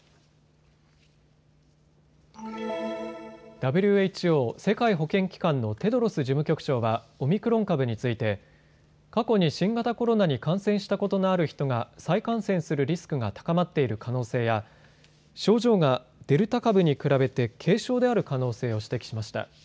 ＷＨＯ・世界保健機関のテドロス事務局長はオミクロン株について過去に新型コロナに感染したことのある人が再感染するリスクが高まっている可能性や症状がデルタ株に比べて軽症である可能性を指摘しました。